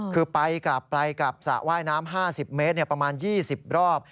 คือไปกลับไปกับสระว่ายน้ำ๕๐เมตรประมาณ๒๐รอบ